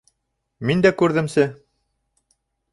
— Мин дә күрҙемсе!